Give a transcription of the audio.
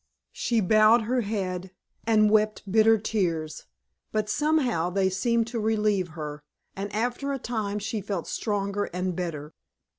She bowed her head and wept bitter tears; but somehow they seemed to relieve her, and after a time she felt stronger and better.